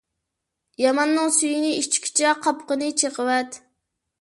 ياماننىڭ سۈيىنى ئىچكۈچە، قاپىقىنى چېقىۋەت.